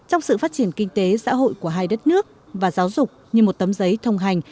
trong sự phát triển kinh tế xã hội của hai đất nước và giáo dục như một tấm giấy thông hành